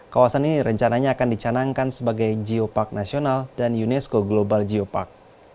kawasan ini rencananya akan dicanangkan sebagai geopark nasional dan unesco global geopark